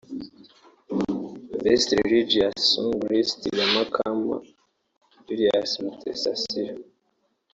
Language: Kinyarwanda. Best Religious Song – List Ya Mukama – Julie Mutesasira